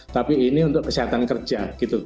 tapi ini untuk kesehatan kerja gitu